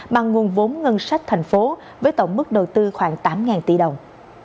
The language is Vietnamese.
bằng nguồn vốn ngân sách thành phố với tổng mức đầu tư khoảng tám tỷ đồng